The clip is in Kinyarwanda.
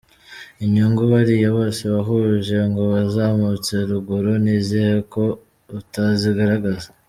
Inyungu bariya bose wahuje ngo bazamutse ruguru ni izihe ko utazigaragaza?